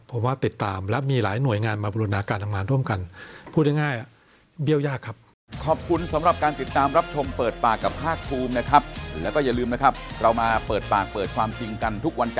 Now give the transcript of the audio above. ผมว่าติดตามและมีหลายหน่วยงานมาบูรณาการทำงานร่วมกันพูดง่าย